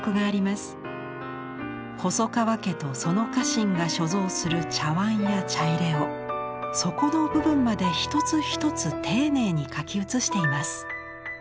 細川家とその家臣が所蔵する茶碗や茶入を底の部分まで一つ一つ丁寧に描き写しています。